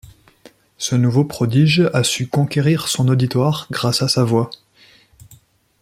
Ce nouveau prodige a su conquérir son auditoire grâce à sa voix.